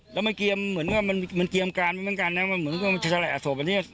แล้วมันเกียร์มเหมือนว่ามันมันเกียร์มการมันเหมือนกันน่ะมันเหมือนว่ามันจะแฉละอสบอันนี้